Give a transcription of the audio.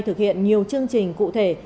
thực hiện nhiều chương trình cụ thể